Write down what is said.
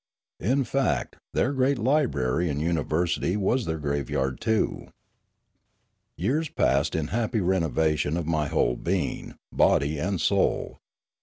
In fact, their great library and university was their grave yard too. Years passed in happy renovation of my whole be ing, body and soul.